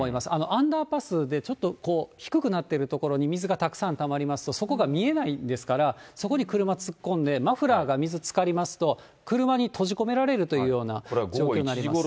アンダーパスで、ちょっと低くなっている所に水がたくさんたまりますと、底が見えないですから、そこに車突っ込んで、マフラーが水につかりますと、車に閉じ込められるというような状態になります。